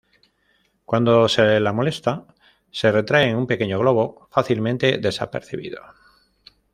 Cuando se la molesta, se retrae en un pequeño globo, fácilmente desapercibido.